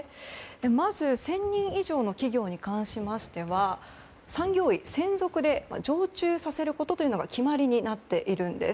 まず１０００人以上の企業に関しましては産業医、専属で常駐させることが決まりになっているんです。